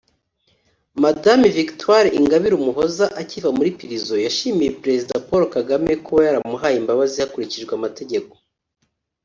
Mme Victoire Ingabire Umuhoza akiva muri prison yashimiye Perezida Paul Kagame kuba yamuhaye imbabazi hakurikijwe amategeko